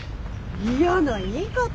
嫌な言い方。